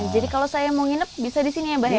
jadi kalau saya mau nginep bisa di sini ya abah ya